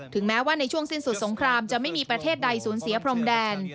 แม้ว่าในช่วงสิ้นสุดสงครามจะไม่มีประเทศใดสูญเสียพรมแดน